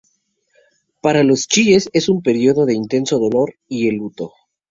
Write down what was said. Para los chiíes, es un período de intenso dolor y el luto.